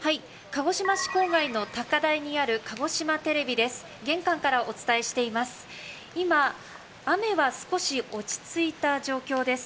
鹿児島市郊外の高台にある鹿児島テレビです。